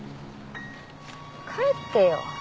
帰ってよ。